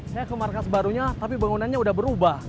saya ke markas barunya tapi bangunannya udah berubah